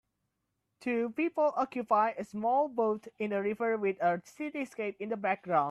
Two people occupy a small boat in a river with a cityscape in the background.